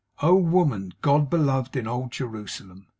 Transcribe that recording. Oh woman, God beloved in old Jerusalem!